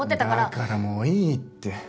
だからもういいって。